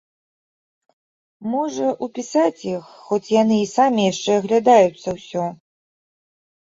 Можа, упісаць іх, хоць яны і самі яшчэ аглядаюцца ўсё?